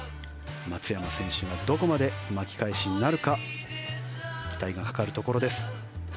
松山選手がどこまで巻き返しなるか期待がかかるところです。